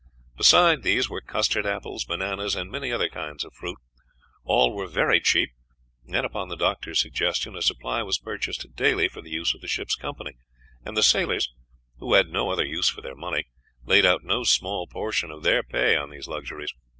Besides these were custard apples, bananas, and many other kinds of fruit; all were very cheap and, upon the doctor's suggestion, a supply was purchased daily for the use of the ship's company, and the sailors, who had no other use for their money, laid out no small portion of their pay on these luxuries.